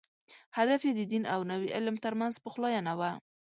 هدف یې د دین او نوي علم تر منځ پخلاینه وه.